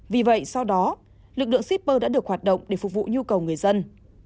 vì vậy sau đó lực lượng shipper đã được hoạt động để phục vụ nhu cầu người dân